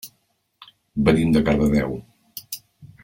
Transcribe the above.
Venim de Cardedeu.